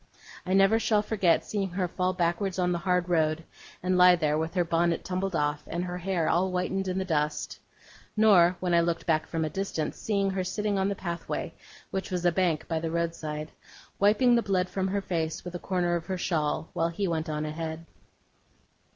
I never shall forget seeing her fall backward on the hard road, and lie there with her bonnet tumbled off, and her hair all whitened in the dust; nor, when I looked back from a distance, seeing her sitting on the pathway, which was a bank by the roadside, wiping the blood from her face with a corner of her shawl, while he went on ahead.